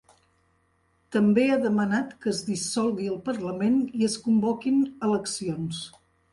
També ha demanat que es dissolgui el parlament i es convoquin eleccions.